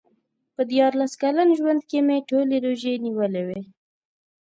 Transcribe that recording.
په دیارلس کلن ژوند کې مې ټولې روژې نیولې وې.